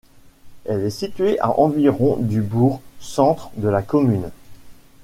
Elle est située à environ du bourg centre de la commune.